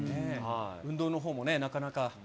運動のほうもね、なかなか。